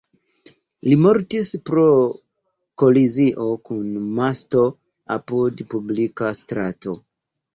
Li mortis pro kolizio kun masto apud publika strato.